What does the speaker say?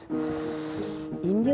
ini sudah paling enak